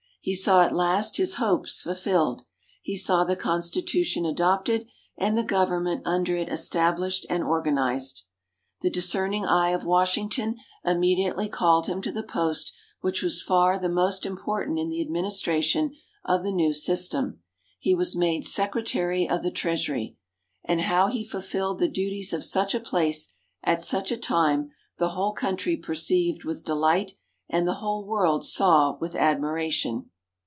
He saw at last his hopes fulfilled; he saw the Constitution adopted, and the Government under it established and organized._ _The discerning eye of Washington immediately called him to the post which was far the most important in the administration of the new system. He was made Secretary of the Treasury. And how he fulfilled the duties of such a place, at such a time, the whole Country perceived with delight and the whole World saw with admiration.